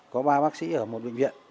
có ba bác sĩ ở một bệnh viện